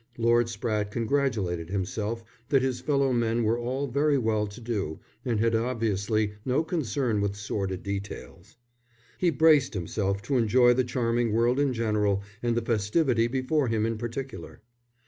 Lord Spratte congratulated himself that his fellow men were all very well to do and had obviously no concern with sordid details. He braced himself to enjoy the charming world in general, and the festivity before him in particular.